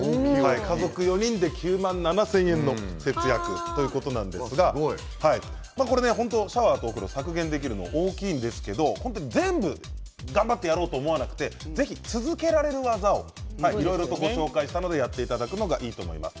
家族４人で９万７０００円の節約ということなんですがシャワーとお風呂削減できるのは大きいんですが全部頑張ってやろうと思わなくてぜひ続けられる技をいろいろご紹介したのでやっていただくのがいいと思います。